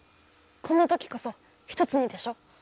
こんなときこそ一つにでしょ？